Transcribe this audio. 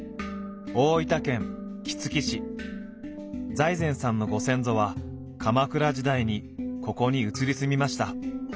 財前さんのご先祖は鎌倉時代にここに移り住みました。